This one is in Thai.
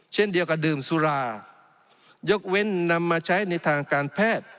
เช่นเดียวกับดื่มสุรายกเว้นนำมาใช้ในทางการแพทย์